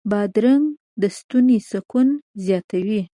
بادرنګ د ستوني سکون زیاتوي.